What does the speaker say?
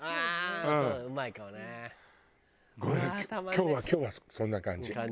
今日は今日はそんな感じ。